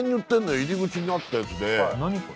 入り口にあったやつで何これ？